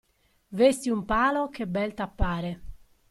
Vesti un palo che bel t'appare.